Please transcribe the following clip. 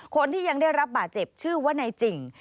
คนที่ยังได้รับบาดเจ็บชื่อว่านายจิ่ง